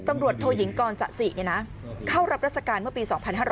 ๑๐ตำรวจโทหญิงกรศสี่เนี่ยนะเข้ารับรัฐกาลเมื่อปี๒๕๖๐